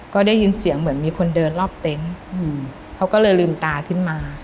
ก็ได้ยินเสียงเหมือนมีคนเดินรอบเต็นต์เขาก็เลยลืมตาขึ้นมา